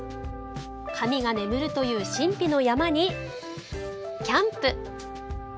神が眠るという神秘の山にキャンプ。